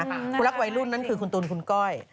คุณรักวัยรุ่นนั่นคือคุณตูนคุณก้อย